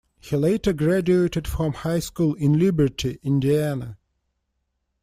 He later graduated from high school in Liberty, Indiana.